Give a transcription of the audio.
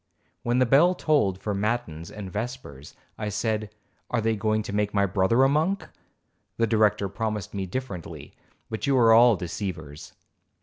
When the bell tolled for matins and vespers, I said, 'Are they going to make my brother a monk? The Director promised me differently, but you are all deceivers.'